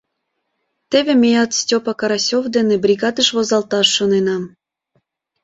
— Теве меат Стёпа Карасёв дене бригадыш возалташ шонена.